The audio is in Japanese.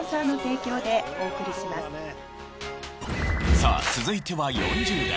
さあ続いては４０代。